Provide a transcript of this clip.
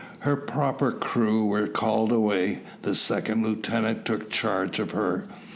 Her proper crew were called away. The second lieutenant took charge of her.